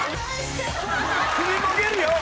首もげるよ！